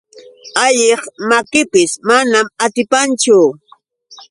Alliq makipis manan atipanchu.